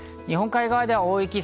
日本海側では大雪。